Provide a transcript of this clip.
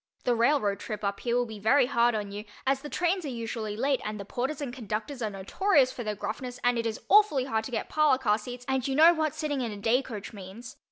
The railroad trip up here will be very hard on you, as the trains are usually late and the porters and conductors are notorious for their gruffness and it is awfully hard to get parlor car seats and you know what sitting in a day coach means.